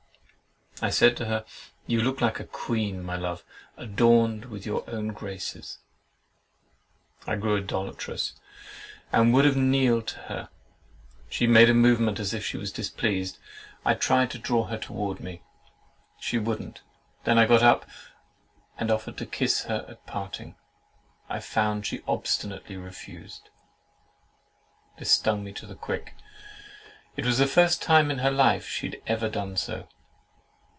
I said to her, "You look like a queen, my love, adorned with your own graces!" I grew idolatrous, and would have kneeled to her. She made a movement, as if she was displeased. I tried to draw her towards me. She wouldn't. I then got up, and offered to kiss her at parting. I found she obstinately refused. This stung me to the quick. It was the first time in her life she had ever done so.